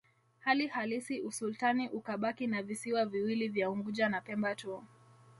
Hali halisi usultani ukabaki na visiwa viwili vya Unguja na Pemba tu